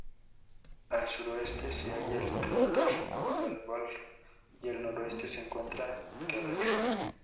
Al suroeste se halla el cráter Pavlov y al noreste se encuentra Keeler.